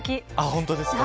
本当ですか。